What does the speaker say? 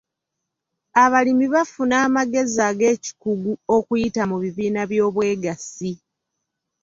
Abalimi bafuna amagezi ag'ekikugu okuyita mu bibiina by'obwegassi.